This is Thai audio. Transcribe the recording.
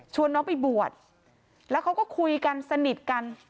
น้องไปบวชแล้วเขาก็คุยกันสนิทกัน